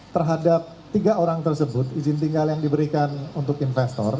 terhadap tiga orang tersebut izin tinggal yang diberikan untuk investor